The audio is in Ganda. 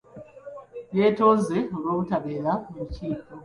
Yeetonze olw'obutabeera mu lukiiko.